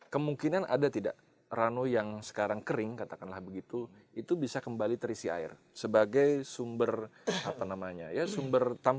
kemungkinan ada tidak ranu yang sekarang kering katakanlah begitu itu bisa kembali terisi air sebagai sumber tampungan air bagi masyarakat sekitar